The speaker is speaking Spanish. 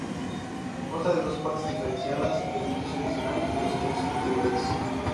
Consta de dos partes diferenciadas, el edificio original y los anexos posteriores.